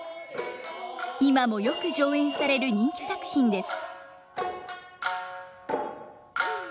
今もよく上演される人気作品です。